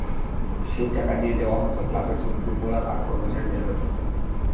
সেই টাকা দিয়ে দেওয়া হতো ক্লাবের সব ফুটবলার আর কর্মচারীদের বেতন।